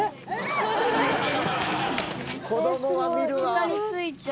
子供は見るわ。